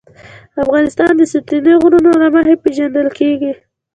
افغانستان د ستوني غرونه له مخې پېژندل کېږي.